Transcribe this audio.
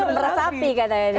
bersapi katanya dia